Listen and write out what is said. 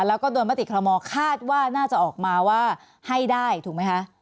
แล้วก็โดนมติคอลโมคาดว่าน่าจะออกมาว่าให้ได้ถูกไหมคะ